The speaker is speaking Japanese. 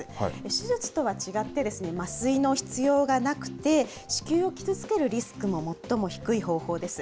手術とは違って、麻酔の必要がなくて、子宮を傷つけるリスクも最も低い方法です。